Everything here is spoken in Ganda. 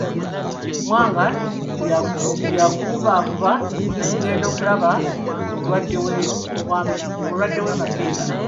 Mwanga yagubagguba okugenda okulaba ku mulwadde we Mapera.